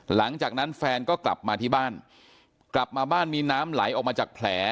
หลังจากนั้นแฟนก็กลับมาที่บ้านกลับมาบ้านมีน้ำไหลออกมาจากแผล